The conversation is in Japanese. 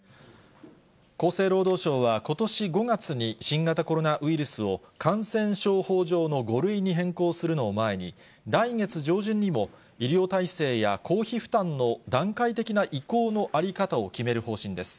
厚生労働省はことし５月に、新型コロナウイルスを感染症法上の５類に変更するのを前に、来月上旬にも医療体制や公費負担の段階的な移行の在り方を決める方針です。